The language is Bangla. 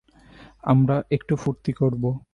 আমরা একটু ফুর্তি করব।